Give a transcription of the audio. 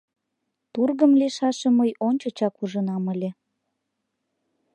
Тургым лийшашым мый ончычак ужынам ыле.